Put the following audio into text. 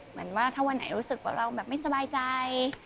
เหมือนว่าถ้าวันไหนรู้สึกว่าเราแบบไม่สบายใจ